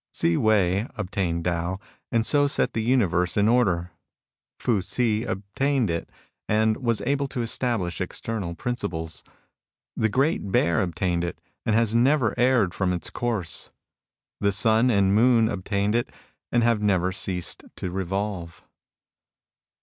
Hsi Wei ^ obtained Tao, and so set the uni verse in order. Fu Hsi ' obtained it, and was able to establish eternal principles. The Great Bear obtained it, and has never erred from its course. The sun and moon obtained it, and have never ceased to revolve.